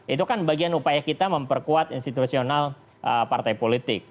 itu kan bagian upaya kita memperkuat institusional partai politik